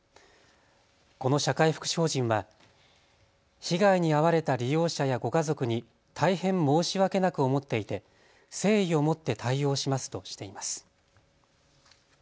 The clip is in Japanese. この社会福祉法人は被害に遭われた利用者やご家族に大変申し訳なく思っていて誠意を持って対応しますとしています。